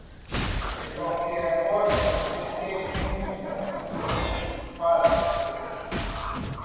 De qualquer forma, você tem muitas coisas para fazer.